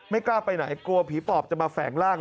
กล้าไปไหนกลัวผีปอบจะมาแฝงร่าง